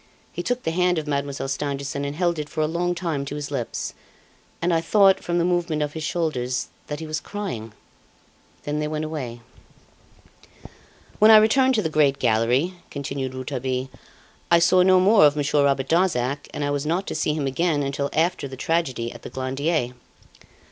He took the hand of Mademoiselle Stangerson and held it for a long time to his lips, and I thought, from the movement of his shoulders, that he was crying. Then they went away. "When I returned to the great gallery," continued Rouletabille, "I saw no more of Monsieur Robert Darzac, and I was not to see him again until after the tragedy at the Glandier.